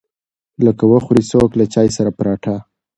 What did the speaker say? لکه وخوري څوک له چاى سره پراټه.